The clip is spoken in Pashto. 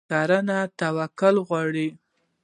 کرنه توکل غواړي.